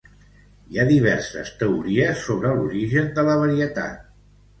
Hi ha diverses teories sobre l'origen de la varietat.